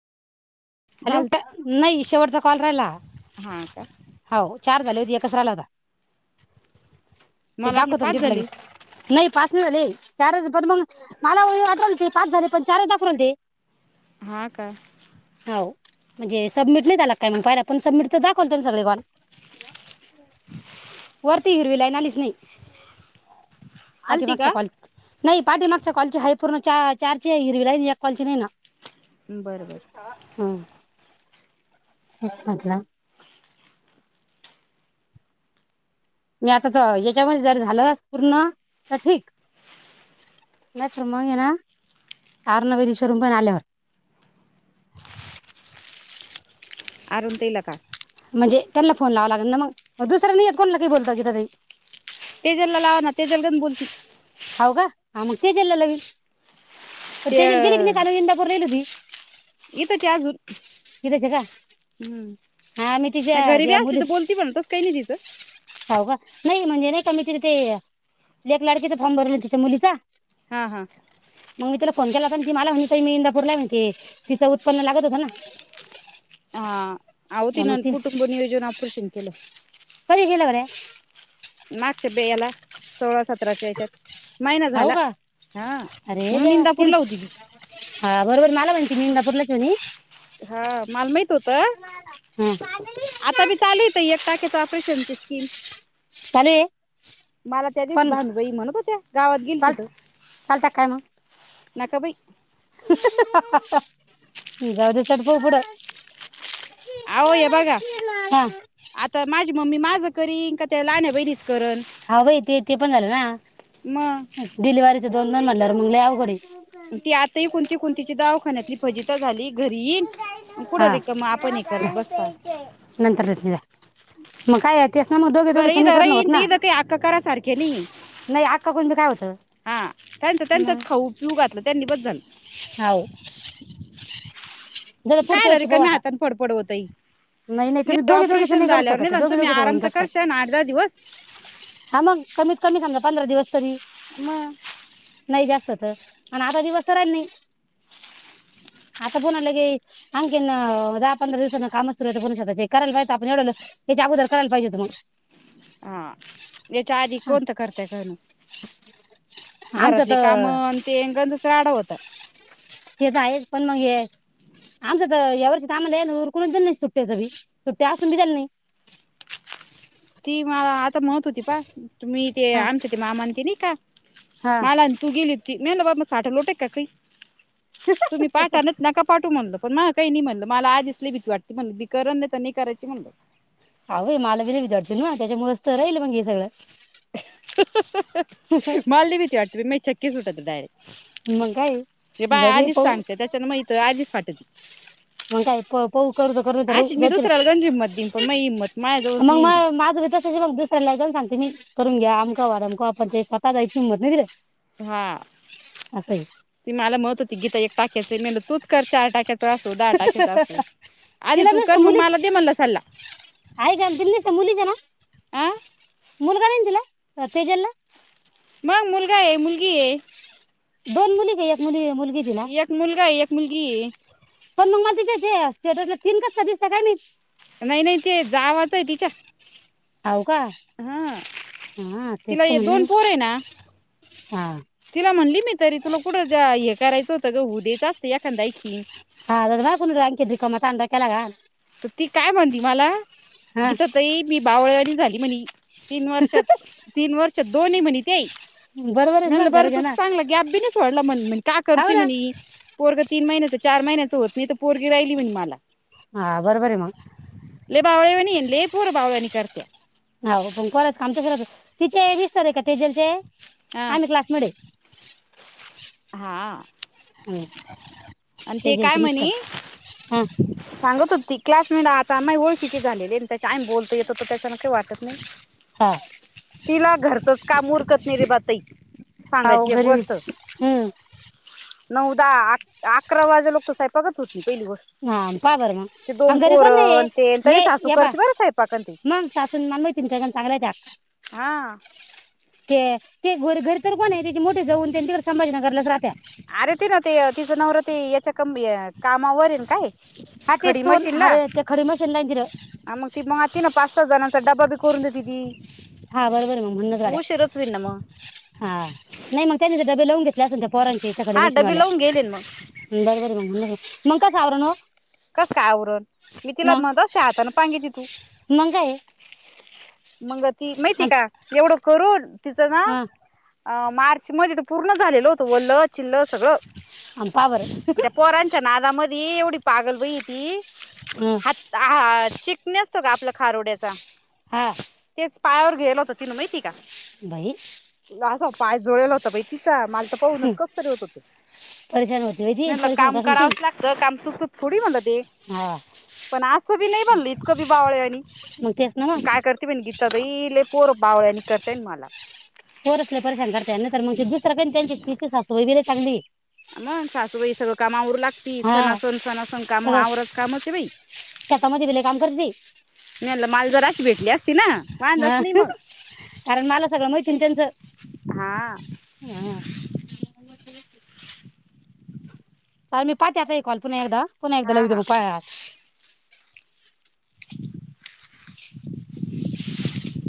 Hello झाल ट नाही शेवटचा कॉल राहिला हा का हो. चार झाली होती एक कच राहायला होता. ते मला दा वाटलं कतून पाच [unintelligible] ला झाली नाही पाच नाही झाले, चारच पण मग मला वाटव ते, पाच झाले पण चारच दाखव ते. हा का. हो म्हणजे सबमिट नाही झाला, काय म्हग पाहि पण सबमिट तर दाखवलते सगळे कॉल. वरती हिरवी लाय नालीस नइ. पाटी आलती का? मागच्या कॉलनि नाही पाठी मागच्या कॉलची हाय पूर्ण, चारची हिरवी लाईन एक कॉलची नाइ ना. बर. हां. तेच [unintelligible] मतलं. मी आता याच्यामध्ये जर झालच पूर्ण तर ठीक, नाही तर मग ये ना आर् नवेरी शोरूम पण आल्यावर. अरूण दिल का? म्हणजे त्यांना फोन लावावा लागेल ना, मग दुसऱ्या नाही य कोणला काही बोलतो गीता ताई. तेजलला लावा ना तेजल गज बोलती. हाव का हा मग तेजला लावील. पण ते तेजल गेली का नाही कानू इंदापूरला गेली होती. इथंच आहे अजून गीताच्या का हा मी नाही तिच्या गरीबी असली तर बोलती पण तस काय नइ तिचं हाऊ का, नाही म्हणजे नाही का मी तीच ते लेक लाडकीचा फॉर्म भरवलाय तीच्या मुलीचा हा हा. तीला फोन केला होता ना ती मला म्हणी ताई मी इंदापूर लाय म्हणे ते तिचं उत्पन्न लागत होत ना. हा आव मग तीनन ती कुंटुब नियोजन ऑपरशन केल. [unintelligible] [inaudible] मागच्या ते ऐला सोळा सत सतराच्या याच्यात नायना हो झाला, का हां अरे म्हणून देवा इंदापूर तिल ला होती ती [unintelligible] इंदापूरला [unintelligible] हा मला माहित होत, हा आता बी चालूय इथं एक टा ऑपरेशन ची स्कीम चालू आहे मला त्या दिवशी पण भानुबाई म्हणत होत्या, गावात गेली ती चाल त चालता काय मग नका बाई जाऊदे चल पाहू पुढं. आवो य बघा हा आता माझी मम्मी माझ करील का त्या लहाण्या बहीणी- हा बाई ते ते पण झालं मग ना डिलवरीच दोन दोन म्हणल्यावर मग लई अवघडे. ती आताही कुणती कुणीतीची दावाखान्यातली फजिता झाली घरी ईल हा नंतर देते जा. मग काय अ तेच ना मग दोघे दोघेच नइ करण होत ना गेली नाही. अक्का बंद काय होत? त्यांचं म त्यांचंच खाऊ पिऊ घातलं त्यांनी बस झालं हाऊ [inaudible] कायला रीकामी हातान फडफड वतई. नाही नाही तुम्ही दोघे दोघेच ऑपरेशन नाही करू झाल्यावर शकत ते निदान दोघे तुम्ही दोघेच आराम होईन त कसं काय करशा न आठ दहा दिवस. हा मग कमीत कमी समजा पंधरा दिवस तरी म. नाही. जास्तत अण आता दिवस त राहिले नाही. आता पुन्हा लगे, आणखीन दहा-पंधरा दिवसान कामच सुरू शकत. कारण व्हय का आपण हेच्या अगोदर करायला पाहिजे होतं मग हा. याच्या आधी हा. कोणतं करत्याय? कायणू आमचं घरातले काम तर न ते [unintelligible] आहे. पण मग हे आमचं तर यावर्ष तम ना उरकून दिल नाही. सुट्ट्याच बी सुट्ट्या असून बी दिल नाही. ती मला मत होती बा. तुम्ही ते हा आमच्या ते मामा ते नाही का? हा मला तू गेली [unintelligible] साठ लोटे [unintelligible] तुम्ही पाठा नका पाठू म्हणल पण म कइ नाही म्हणलं. मला आदीच लइ भीती वाटती. म्हणल मी करण नाही तर नाही करायची म्हणलं अहय माल विला विद्यार्थी ना त्याच्यामुळे तर राहिल मग हे सगळं मला लय भीती वाटते [unintelligible] क [unintelligible] मग काय हे बाय जाऊ दे आधीच पाहू सांगते. त्याच्यान माझ आधीच पाटते कर्ज अशी मी करत दुसऱ्याला गंज हिंमत देईन पण माझी हिंमत [unintelligible] माझ्याजवळच मग नाही म ना माझं भ त मग दुसऱ्याला लाे सांग [unintelligible] तही करून घ्या आमका वम आपण ते पता जायचींमत नाहीे [unintelligible] हा. ती मला म्हणत होती टाक्याचे म तूच कर चार टाक्याच दिला तू न कर मग मुलीच मला दे म्हणलं सल्ला का तिला मुलीच ना आ मुल दिला. तेजलला मग मुलगाए, मुलगीए. दोन मुली का? एक मुली मुली एक मुलगा एक मुलगीए [inaudible] पण मग मला तिच्या स्टेटला तीन कसता दिसत काय? मी नाही. नाही. ते जावाचं आहे तिच्या [unintelligible] का हा तिला तेसत हे हो. दोन पोर आहे ना. हा. तिला म्हणली मी तरी तुला कुठं हे करायचं होतं ग? हो उ दे जास्तते एखादा आणखी हा बागु अंकेत का म तांड केलाग [unintelligible] तर ती काय म्हणती मला हा गीता ताई मी बावळे आणि झाली म्हणे तीन वर्षात तीन वर्ष दो नाही म्हनी काय. बरोबर आहे म्हलं मग खरं बरं घ्या तू ना चांगला की गॅप नाहीच सोडला म्हण म्ह का हो करतोय ना म्हणे पोरग तीन महिन्याचं चार महिन्यां होत नाही तर पोरगी राहिली म्हण मला हा बरोबर आहे मग. बावळया वानी लई पोर बावळयांनी करत्यात. हो पण करायच काम घरच तिचे विस्तार आहे का तेजलचे हा आन क्लास मधे हा हम्म आणि ते काय तेजलचे म्हनी मिस्टर हा सांगत होती. क्लास म्हणे आता आ माही ओळखिती झालेली त्याच्या आमही बोलतो येतो तर त्याच्याना काही वाटत नाही. तिला घरचंच काम उरकत नाही रे बातई हा हो सांगायची एक घरी गोष्ट हम्म नऊदहा आ आ अकरा वाजेपर्यंत तर स्वयंपाक चं होती. हा बा बरं मग घरी कोण नाही पोरण ते तरी हे सासू या बा करते बरं स्वयंपाक आणि ते मग सासून मला माहित चांगलं त्या हा. ते ते घ घरी तर कोण आहे त्याचे मोठे जाऊन त्यांच्या संभाजीनगरलाच राहत्या. की जनावर ते याच्या कं कामावर येन काय. आ खडी तेेस्ो मशीनला अरेयते कडीम चंदयंदिर ति ना पाच सहा जणांचा डबा बी करून देते. ती हा बरोबर आहे मग म्हणणच वाड्या उशीरच होईन ना मग हा नाही मग त्यानी डबे लावून घेतले असल. पोरांची सकडे हा डबे मशीनवाल्या लावून गेले ना मग बर बर ग म्हणूनचं. मग कस आवरण हो कस काय आवरण मी तिला मग म्हणतच असंते हातान पांगेती तू मग काय आहे? मंग ती माहिती आणि- का एवढं करून तिचं हा ना मार स मज पूर्ण झालेल होत वल्ल चिल्ल सगळं आणि पा बरं त्या पोरांच्या नादामध्ये ती एवढी पागल बाई ती हं. ह ह चिकण्यासत का आपल्या खारोड्याचा हा. तेच पायावर गेल होत तिनं माहिती का? बाई. असा पाय जोळला होता बा तिचा म पाहून कसतरी होत होतं. परेशान होती बाई ती म्हणलं परेशान होत काम असेल ती करावंच लागत काम चुक थोडी मला हा पण आज बी नाही बनलं इतकं बी बावळ आणि मग तेच ना मग काय करते पण गी सगळी इले पोर बावळ्यानी करतेन मला कोरसले परशान करतेय नाही तर म गु [unintelligible] चगली. मग सासूबाई सगळ कामावर लागत ती हा सनासन सनासून काम सगळं आवरत कामते बाई. शेतामध्ये बिले काम करते ती. माल जरा अशी भेटली असती ना वांदाच हा नाही मग कारण मला सगळं मैत्रीण त्यांचं हा हा. काल मी पाहत यता आहे कॉल पुन्हा एकदा पुन्हा एकदा हा हा लाविते म पायास [inaudible]